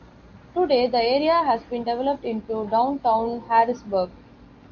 Today, the area has been developed into downtown Harrisburg.